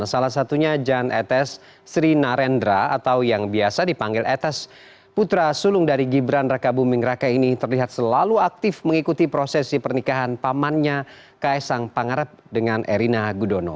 salah satunya jan etes sri narendra atau yang biasa dipanggil etes putra sulung dari gibran raka buming raka ini terlihat selalu aktif mengikuti prosesi pernikahan pamannya kaisang pangarep dengan erina gudono